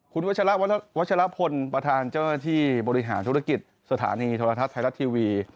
คุณวัชละวัชลพลประธานเจ้าหน้าที่บริหารธุรกิจสถานีโทรทัศน์ไทยรัฐทีวี